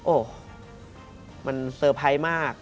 โอ้โหมันเซอร์ไพรส์มาก